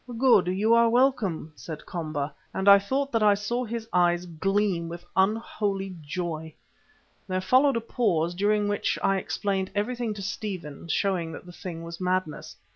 "Good, you are welcome," said Komba, and I thought that I saw his eyes gleam with unholy joy. There followed a pause, during which I explained everything to Stephen, showing that the thing was madness.